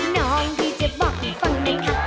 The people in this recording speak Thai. น้องที่จะบอกให้ฟังไหมคะ